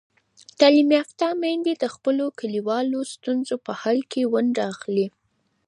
تعلیم یافته میندې د خپلو کلیوالو ستونزو په حل کې ونډه اخلي.